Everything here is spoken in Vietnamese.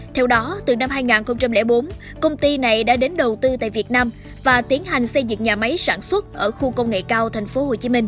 theo đó từ năm hai nghìn bốn công ty này đã đến đầu tư tại việt nam và tiến hành xây dựng nhà máy sản xuất ở khu công nghệ cao